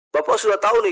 bapak sudah tahu nih